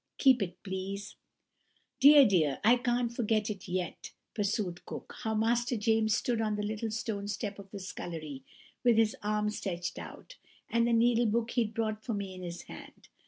Keep it, please.' "Dear, dear, I can't forget it yet," pursued Cook, "how Master James stood on the little stone step of the scullery, with his arm stretched out, and the needle book that he'd bought for me in his hand.